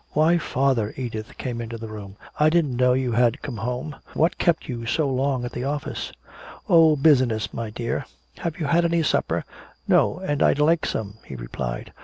"Why, father." Edith came into the room. "I didn't know you had come home. What kept you so long at the office?" "Oh, business, my dear " "Have you had any supper?" "No, and I'd like some," he replied.